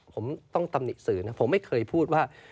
ผมต้องตำหนิสื่อนะผมไม่เคยพูดว่า